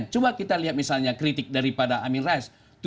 coba kita lihat misalnya kritik daripada amin rais